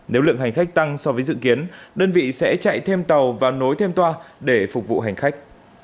nếu lượng hành khách tăng so với dự kiến đơn vị sẽ chạy thêm tàu và nối thêm toa để phục vụ hành khách